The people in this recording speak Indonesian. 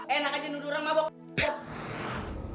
enak aja nudur orang mabok